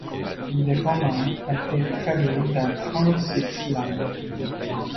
Le roman a été traduit dans trente-six langues.